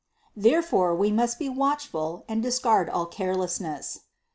Therefore we must be watchful and discard all carelessness.